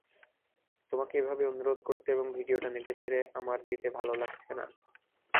তোমাকে এভাবে অনুরোধ করতে এবং ভিডিওটা নেটে ছেড়ে আমার দিতে ভালো লাগছে না।